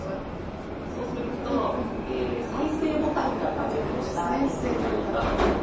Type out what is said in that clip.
そうすると再生ボタンが画面の下についていますので。